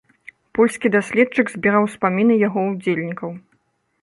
Польскі даследчык збіраў успаміны яго ўдзельнікаў.